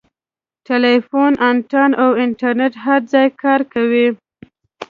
ټیلیفون انتن او انټرنیټ هر ځای کار کوي.